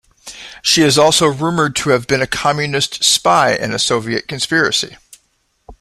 She is also rumored to have been a communist spy in a Soviet conspiracy.